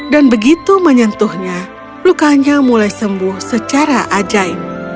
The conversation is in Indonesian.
dan begitu menyentuhnya lukanya mulai sembuh secara ajaib